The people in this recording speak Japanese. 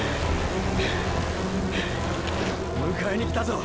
迎えに来たぞ！！